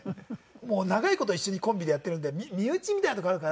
もう長い事一緒にコンビでやっているんで身内みたいなとこあるから。